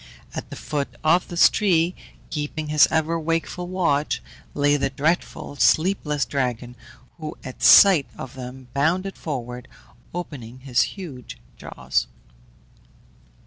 At the foot of this tree, keeping his ever wakeful watch, lay the dreadful, sleepless dragon, who at sight of them bounded forward, opening his huge jaws.